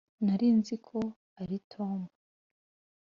nari nzi ko ari tom.